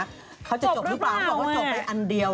เขาจะจบหรือเปล่าเขาบอกว่าจบไปอันเดียว